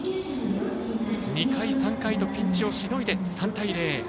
２回、３回とピンチをしのいで３対０。